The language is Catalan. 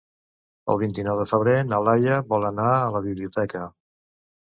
El vint-i-nou de febrer na Laia vol anar a la biblioteca.